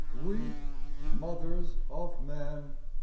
Weep, mothers of men